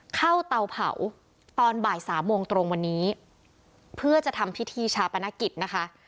เตาเผาตอนบ่ายสามโมงตรงวันนี้เพื่อจะทำพิธีชาปนกิจนะคะ